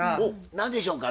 何でしょうか？